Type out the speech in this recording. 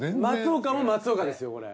松岡も松岡ですよ